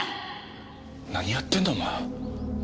何やってるんだお前。